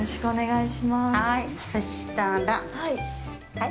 はい。